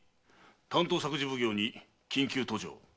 担当作事奉行に緊急登城を。